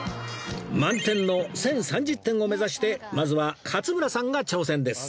満点の１０３０点を目指してまずは勝村さんが挑戦です